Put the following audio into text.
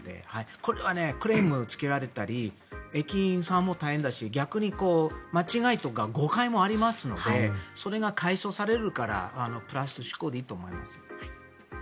これはクレームをつけられたり駅員さんも大変だし逆に間違えとか誤解もありますのでそれが解消されるからプラス思考でいいと思います。